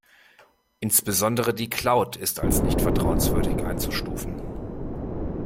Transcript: Insbesondere die Cloud ist als nicht vertrauenswürdig einzustufen.